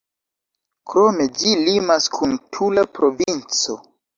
Krome, ĝi limas kun Tula provinco.